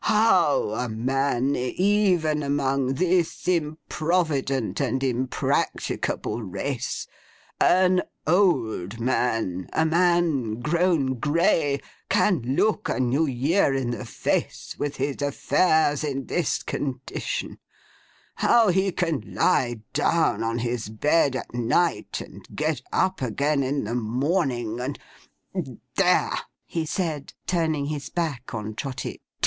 'How a man, even among this improvident and impracticable race; an old man; a man grown grey; can look a New Year in the face, with his affairs in this condition; how he can lie down on his bed at night, and get up again in the morning, and—There!' he said, turning his back on Trotty.